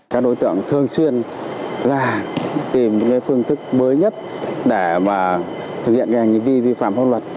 các đối tượng thường xuyên tìm phương thức mới nhất để thực hiện hành vi vi phạm pháp luật